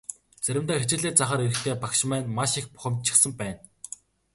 Заримдаа хичээлээ заахаар ирэхдээ багш маань маш их бухимдчихсан байна.